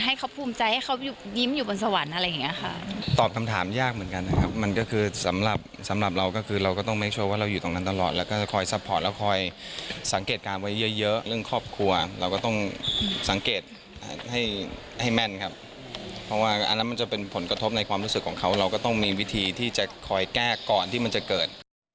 ให้เขาภูมิใจให้เขายิ้มอยู่บนสวรรค์อะไรแบบนี้